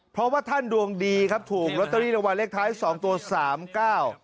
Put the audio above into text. เพราะว่าท่านดวงดีครับถูกลอตเตอรี่รางวัลเลขท้ายสองตัวสามเก้า